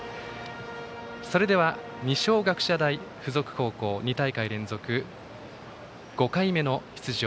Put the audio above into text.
それでは二松学舎大付属高校２大会連続５回目の出場。